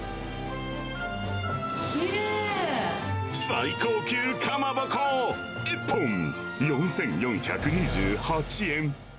最高級かまぼこ、１本４４２８円。